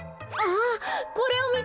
あっ！